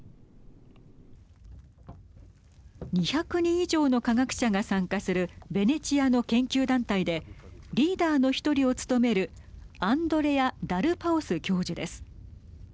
２００人以上の科学者が参加するベネチアの研究団体でリーダーの１人を務めるアンドレア・ダルパオス教授です。